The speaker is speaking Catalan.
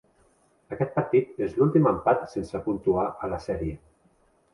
Aquest partit és l'últim empat sense puntuar a la sèrie.